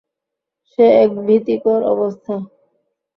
সে এক ভীতিকর অবস্থা।